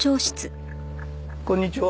こんにちは。